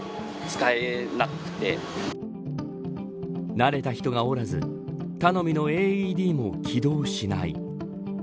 慣れた人がおらず頼みのＡＥＤも起動しない。